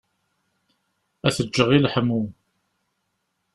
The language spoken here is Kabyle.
Ad t-ǧǧeɣ i leḥmu.